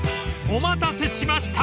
［お待たせしました。